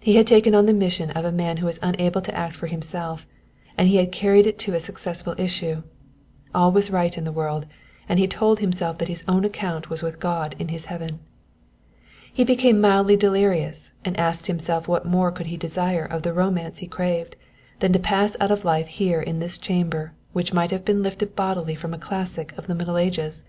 He had taken on the mission of a man who was unable to act for himself, and he had carried it to a successful issue. All was right with the world, and he told himself that his own account was with God in His heaven. He became mildly delirious and asked himself what more could he desire of the Romance he craved, than to pass out of life here in this chamber which might have been lifted bodily from a classic of the Middle Ages?